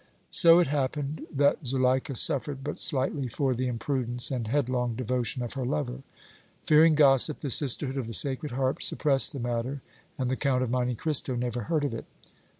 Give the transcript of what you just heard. So it happened that Zuleika suffered but slightly for the imprudence and headlong devotion of her lover. Fearing gossip, the Sisterhood of the Sacred Heart suppressed the matter, and the Count of Monte Cristo never heard of it.